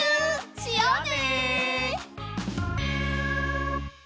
しようね！